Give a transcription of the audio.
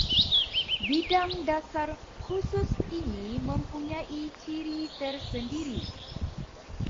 Bidang dasar khusus ini mempunyai ciri tersendiri